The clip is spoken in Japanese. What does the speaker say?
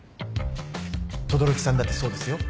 轟さんだってそうですよ。